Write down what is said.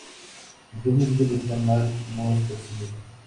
Incluso el título esta mal, no es por sí misma.